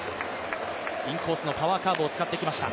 インコースのパワーカーブを使ってきました。